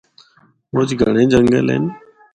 مُچ گھَنڑے جنگل ہن۔